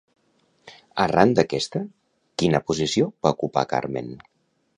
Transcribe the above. Arran d'aquesta, quina posició va ocupar Carmen?